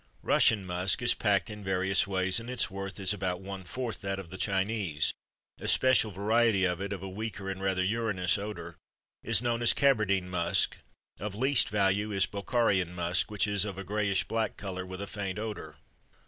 Russian musk is packed in various ways and is worth about one fourth that of the Chinese; a special variety of it, of a weaker and rather urinous odor, is known as Cabardine musk; of least value is Bokharian musk which is of a grayish black color, with a faint odor.